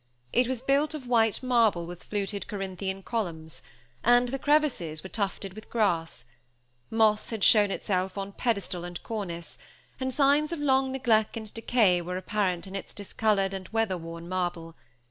It was built of white marble with fluted Corinthian columns, and the crevices were tufted with grass; moss had shown itself on pedestal and cornice, and signs of long neglect and decay were apparent in its discolored and weather worn marble.